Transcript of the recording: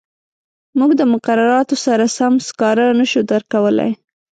موږ د مقرراتو سره سم سکاره نه شو درکولای.